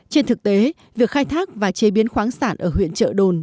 trên thực tế việc khai thác và chế biến khoáng sản ở huyện trợ đồn